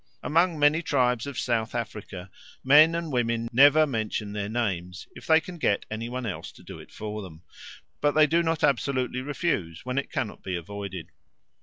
Among many tribes of South Africa men and women never mention their names if they can get any one else to do it for them, but they do not absolutely refuse when it cannot be avoided.